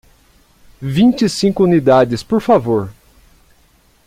Vinte e cinco unidades, por favor.